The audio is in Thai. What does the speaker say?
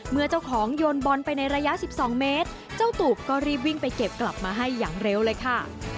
เมื่อเจ้าของโยนบอลไปในระยะ๑๒เมตรเจ้าตูบก็รีบวิ่งไปเก็บกลับมาให้อย่างเร็วเลยค่ะ